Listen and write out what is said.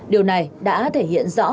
điều này đã thể hiện rõ